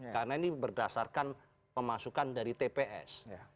karena ini berdasarkan pemasukan dari tps